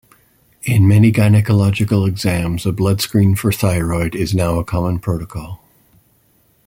In many gynecological exams a blood screen for thyroid is now a common protocol.